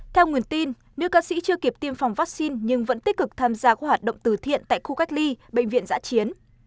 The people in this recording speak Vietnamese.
theo nguồn tin nữ ca sĩ chưa kịp tiêm phòng vaccine nhưng vẫn tích cực tham gia các hoạt động từ thiện tại khu cách ly bệnh viện giã chiến